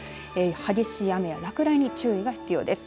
激しい雨や落雷に注意が必要です。